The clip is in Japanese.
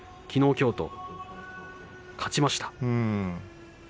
きのう、きょうと朝乃若勝ちました。